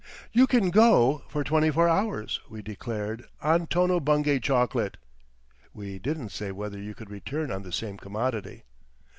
"You can GO for twenty four hours," we declared, "on Tono Bungay Chocolate." We didn't say whether you could return on the same commodity.